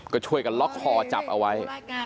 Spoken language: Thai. ก็ช่วยกันล็อกคอจับเอาไว้